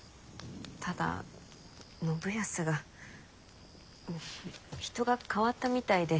ただ信康が人が変わったみたいで。